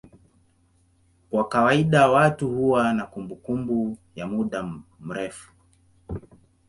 Kwa kawaida watu huwa na kumbukumbu ya muda mrefu.